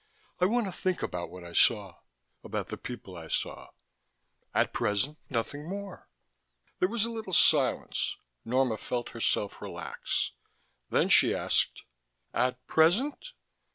I want to think about what I saw, about the people I saw. At present, nothing more." There was a little silence. Norma felt herself relax. Then she asked: "At present?"